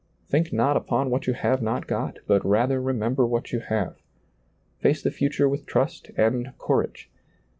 Think not upon what you have not got, but rather remember what you have. Face the future with trust and courage.